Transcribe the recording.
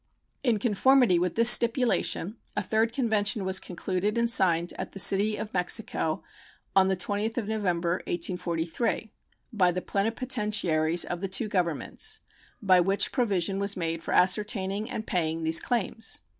In conformity with this stipulation, a third convention was concluded and signed at the city of Mexico on the 20th of November, 1843, by the plenipotentiaries of the two Governments, by which provision was made for ascertaining and paying these claims.